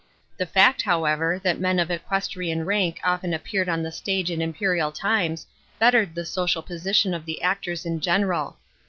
The fact, however, that men of equestrian rank often appeared on the stage in imperial times bettered the social position of the actors in general.